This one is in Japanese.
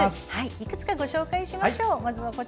いくつか、ご紹介しましょう。